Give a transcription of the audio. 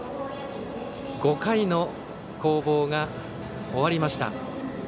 ５回の攻防が終わりました。